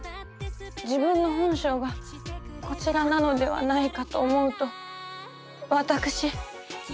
自分の本性がこちらなのではないかと思うと私。